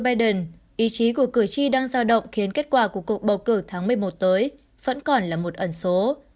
biden ý chí của cử tri đang giao động khiến kết quả của cuộc bầu cử tháng một mươi một tới vẫn còn là một ẩn số